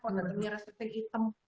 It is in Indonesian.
kok butuhnya restrikting hitam